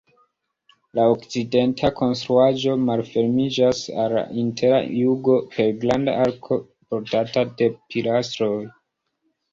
La okcidenta konstruaĵo malfermiĝas al la intera jugo per granda arko portata de pilastroj.